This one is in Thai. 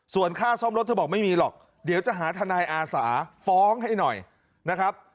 ส่วนค่าซ่อมรถเธอบอกไม่มีหรอกเดี๋ยวจะหาทนายอาสาฟ้องให้หน่อยนะครับ